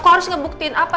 aku harus ngebuktiin apa